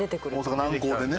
大阪南港でね。